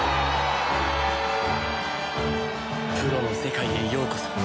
プロの世界へようこそ。